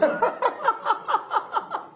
ハハハハハ！